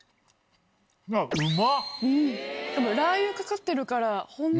ラー油かかってるから。